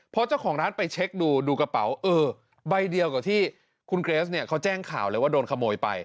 พอเจ้าของร้านไปเช็คดูดูกระเป๋าเออใบเดียวกับที่คุณเกรสเนี่ยเขาแจ้งข่าวเลยว่าโดนขโมยไป